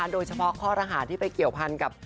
โดยเฉพาะข้อรหาที่ไปเกี่ยวพันกับ